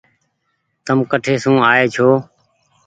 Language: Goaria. تم ڪٺي سون آئي ڇو۔